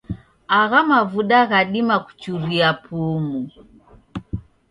Agha mavuda ghadima kuchuria pumu.